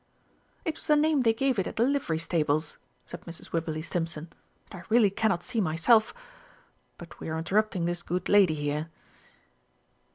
"It was the name they gave it at the Livery Stables," said Mrs. Wibberley Stimpson. "And I really cannot see myself but we are interrupting this good lady here."